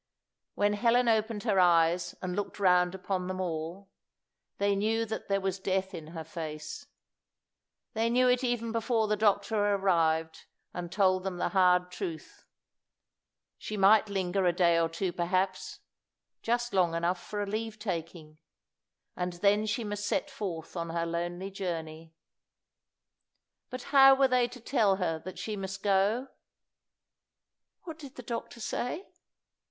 When Helen opened her eyes and looked round upon them all, they knew that there was death in her face. They knew it even before the doctor arrived, and told them the hard truth. She might linger a day or two perhaps, just long enough for a leave taking, and then she must set forth on her lonely journey. But how were they to tell her that she must go? "What did the doctor say?"